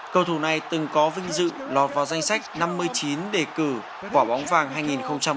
cầu thủ này từng có vinh dự lọt vào danh sách năm mươi chín đề cử quả bóng vàng hai nghìn một mươi tám